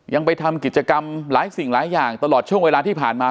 ยังไปทำกิจกรรมหลายสิ่งหลายอย่างตลอดช่วงเวลาที่ผ่านมา